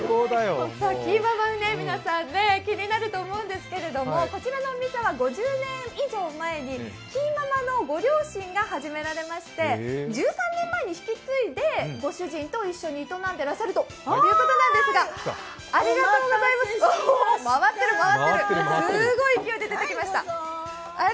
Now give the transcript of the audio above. きいママ、皆さん気になってると思いますけど、こちらのお店は５０年以上前にきいママのご両親が始められまして、１３年前に引き継いで、ご主人と一緒に営んでいらっしゃるということなんですが、回ってる、回ってる、すごい勢いで出てきました。